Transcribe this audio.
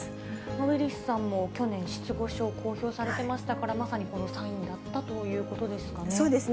ウィリスさんも去年、失語症を公表されてましたから、まさにこのサインだったということなんでしょうかね。